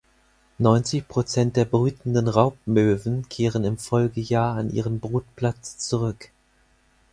Neunzig Prozent der brütenden Raubmöwen kehren im Folgejahr an ihren Brutplatz zurück.